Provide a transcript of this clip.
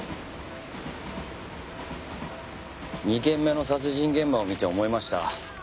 ２件目の殺人現場を見て思いました。